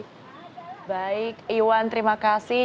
baik iwan terima kasih